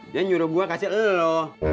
dia nyuruh gue kasih loh